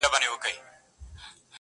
• خو زړه کي سيوری شته تل..